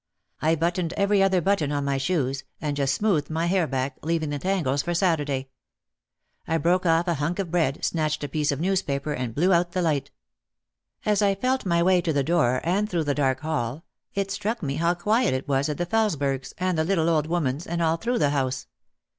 I buttoned every other button on my shoes, and just smoothed my hair back, leaving the tangles for Saturday. I broke off a hunk of bread, snatched a piece of newspaper and blew out the light. As I felt my way to the door and through the dark hall it struck me how quiet it was at the Felesbergs and the little old woman's and all through the house.